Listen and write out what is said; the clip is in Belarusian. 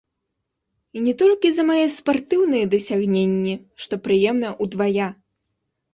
І не толькі за мае спартыўныя дасягненні, што прыемна ўдвая!